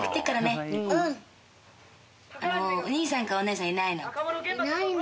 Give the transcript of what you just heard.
「うん」「お兄さんかお姉さんいないの？」